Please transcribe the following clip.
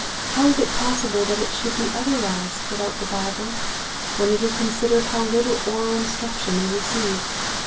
How is it possible that it should be otherwise, without the Bible, when it is considered how little oral instruction they receive."